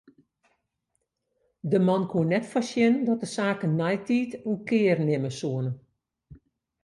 De man koe net foarsjen dat de saken neitiid in kear nimme soene.